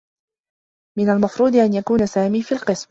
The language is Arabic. من المفروض أن يكون سامي في القسم.